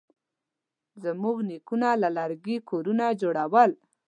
زموږ نیکونه له لرګي کورونه جوړول.